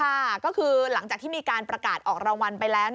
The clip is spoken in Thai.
ค่ะก็คือหลังจากที่มีการประกาศออกรางวัลไปแล้ว